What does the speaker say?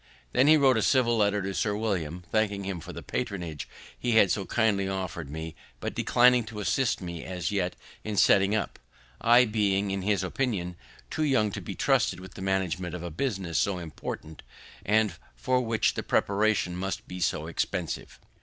Then he wrote a civil letter to Sir William, thanking him for the patronage he had so kindly offered me, but declining to assist me as yet in setting up, I being, in his opinion, too young to be trusted with the management of a business so important, and for which the preparation must be so expensive.